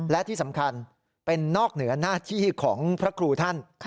และที่สำคัญเป็นนอกเหนือหน้าที่ของพระครูท่าน